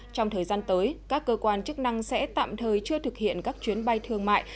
trong thời gian tới các cơ quan chức năng sẽ tạm thời chưa thực hiện các chuyến bay thương mại